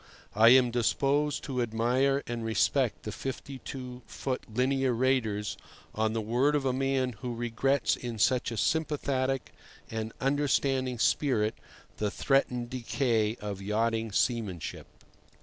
I am disposed to admire and respect the 52 foot linear raters on the word of a man who regrets in such a sympathetic and understanding spirit the threatened decay of yachting seamanship.